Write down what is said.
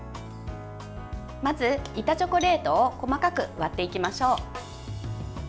まず、板チョコレートを細かく割っていきましょう。